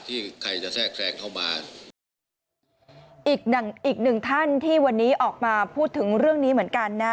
อีกหนึ่งท่านที่วันนี้ออกมาพูดถึงเรื่องนี้เหมือนกันนะ